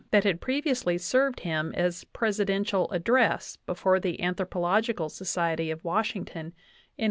VIII that had previously ' served him as presidential address be fore the Anthropological Society of Washington in 1880.